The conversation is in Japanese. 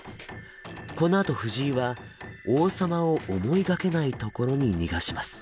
このあと藤井は王様を思いがけないところに逃がします。